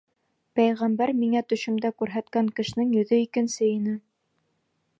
Пәйғәмбәр миңә төшөмдә күрһәткән кешенең йөҙө икенсе ине!